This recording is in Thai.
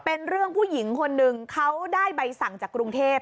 เป็นเรื่องผู้หญิงคนหนึ่งเขาได้ใบสั่งจากกรุงเทพ